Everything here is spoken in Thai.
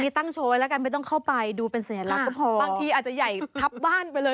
มีตั้งโชว์ไว้แล้วกันไม่ต้องเข้าไปดูเป็นสัญลักษณ์ก็พอบางทีอาจจะใหญ่ทับบ้านไปเลย